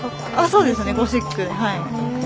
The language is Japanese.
そうですねゴシック。